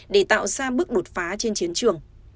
để tạo ra bước đột phá trên chiến trường